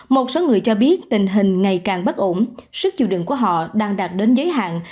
một số người cho biết tình hình ngày càng bất ổn sức chịu đựng của họ đang đạt đến giới hạn